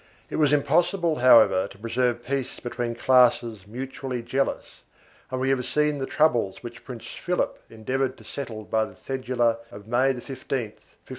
It was impossible, however, to preserve peace between classes mutually jealous, and we have seen (p. 435) the troubles which Prince Philip endeavored to settle by the cedula of May 15, 1545.